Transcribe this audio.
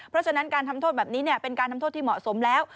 เพราะฉะนั้นการทำโทษแบบนี้เป็นการทำโทษที่เหมาะสมแล้ว